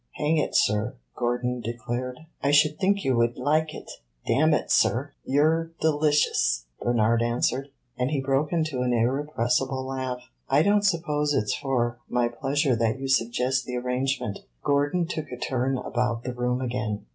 Hang it, sir," Gordon declared, "I should think you would like it!" "Damn it, sir, you 're delicious!" Bernard answered; and he broke into an irrepressible laugh. "I don't suppose it 's for my pleasure that you suggest the arrangement." Gordon took a turn about the room again.